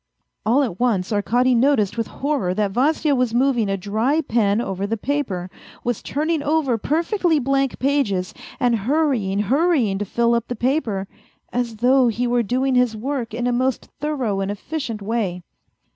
All at once Arkady noticed with horror that Vasya was moving a dry pen over the paper, was turning over per fectly blank pages, and hurrying, hurrying to fill up the paper as though he were doing his work in a most thorough and efficient way.